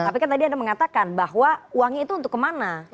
tapi kan tadi anda mengatakan bahwa uangnya itu untuk kemana